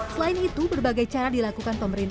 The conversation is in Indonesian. selain itu berbagai cara dilakukan pemerintah